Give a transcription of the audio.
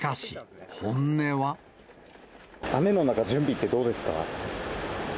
雨の中、準備ってどうですか？